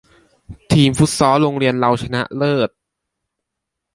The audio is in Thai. ทีมฟุตซอลโรงเรียนเราชนะเลิศ